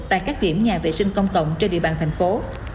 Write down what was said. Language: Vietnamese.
tại các điểm nhà vệ sinh công cộng trên địa bàn thành phố